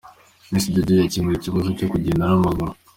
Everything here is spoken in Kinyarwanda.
Miss Jojo yakemuye ikibazo cyo kugenda n'amaguru.